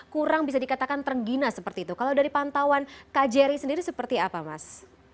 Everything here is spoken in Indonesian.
kurang bisa dikatakan ternggina seperti itu kalau dari pantauan kjri sendiri seperti apa mas